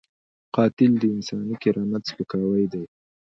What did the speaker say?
قاتل د انساني کرامت سپکاوی کوي